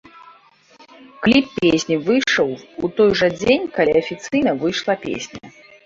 Кліп песні выйшаў у той жа дзень, калі афіцыйна выйшла песня.